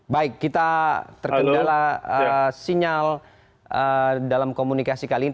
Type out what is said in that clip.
baik kita terkendala sinyal dalam komunikasi kali ini